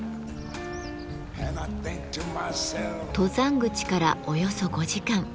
登山口からおよそ５時間。